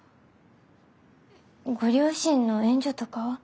ご両親の援助とかは？